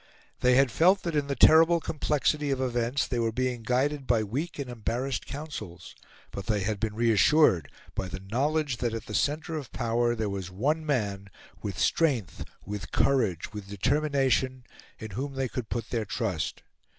They had felt that in the terrible complexity of events they were being guided by weak and embarrassed counsels; but they had been reassured by the knowledge that at the centre of power there was one man with strength, with courage, with determination, in whom they could put their trust.